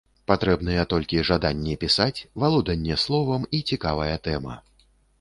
Патрэбныя толькі жаданне пісаць, валоданне словам і цікавая тэма.